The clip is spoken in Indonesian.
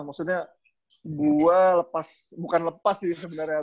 maksudnya gue lepas bukan lepas sih sebenarnya